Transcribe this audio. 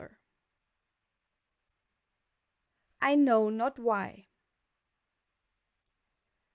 _ I KNOW NOT WHY.